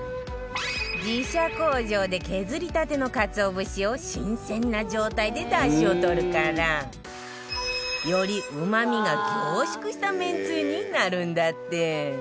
自社工場で削りたてのかつお節を新鮮な状態でダシをとるからよりうまみが凝縮しためんつゆになるんだって